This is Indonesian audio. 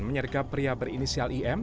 menyergap pria berinisial im